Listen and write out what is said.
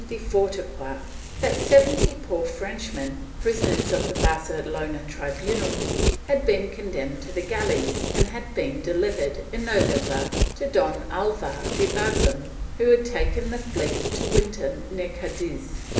de Fourquevaux, that seventy poor French men, prisoners of the Barcelona tribunal, had been condemned to the galleys and had been delivered, in November, to Don Alvar de Bazan, who had taken the fleet to winter near Cadiz.